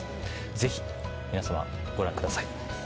ぜひ皆様ご覧ください